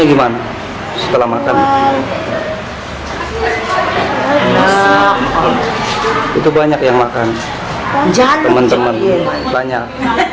itu banyak yang makan teman teman banyak